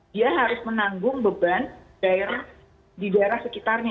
dia harus menanggung beban di daerah sekitarnya